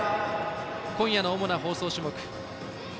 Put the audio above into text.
今夜の主な放送種目です。